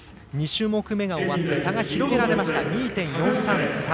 ２種目めが終わって差が広げられました。